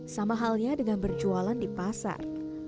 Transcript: sama halnya dengan berjualan di pasar